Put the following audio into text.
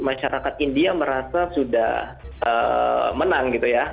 masyarakat india merasa sudah menang gitu ya